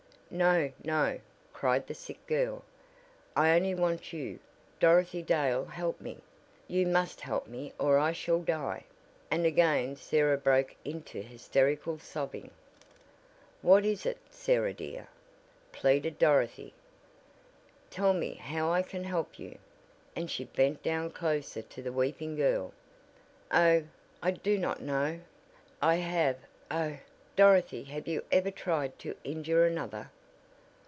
"No! no!" cried the sick girl. "I only want you. Dorothy Dale help me you must help me or I shall die," and again Sarah broke into hysterical sobbing. "What is it, Sarah dear?" pleaded Dorothy. "Tell me how I can help you," and she bent down closer to the weeping girl. "Oh, I do not know. I have Oh, Dorothy have you ever tried to injure another?"